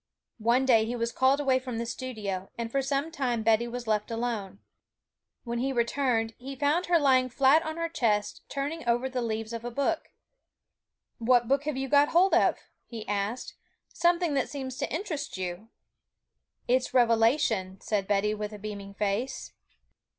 One day he was called away from the studio, and for some time Betty was left alone. When he returned, he found her lying flat on her chest, turning over the leaves of a book. 'What book have you got hold of?' he asked; 'something that seems to interest you.' 'It's Revelation,' said Betty, with a beaming face.